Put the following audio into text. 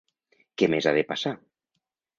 Què més ha de passar?